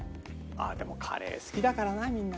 でもカレー好きだからなみんなな。